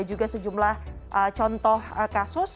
juga sejumlah contoh kasus